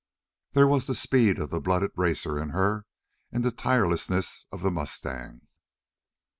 There was the speed of the blooded racer in her and the tirelessness of the mustang.